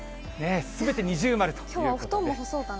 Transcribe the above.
すべて二重丸ということで。